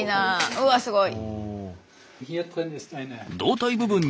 うわすごい！